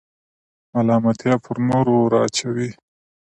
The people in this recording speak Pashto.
ملامتیا پر نورو وراچوئ.